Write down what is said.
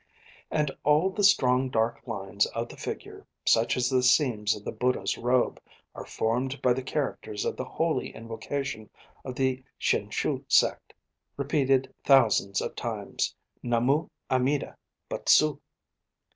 And all the strong dark lines of the figure, such as the seams of the Buddha's robe, are formed by the characters of the holy invocation of the Shin shu sect, repeated thousands of times: 'Namu Amida Butsu!'